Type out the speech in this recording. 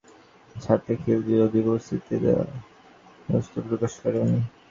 অনেকে অবশ্য পদ্মাবতীর চরিত্রকে ছাপিয়ে খিলজির অধিক উপস্থিতিতে অসন্তোষও প্রকাশ করেন।